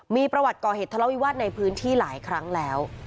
มีประวัติก่อเหตุทะเลาวิวาสในพื้นที่หลายครั้งแล้ว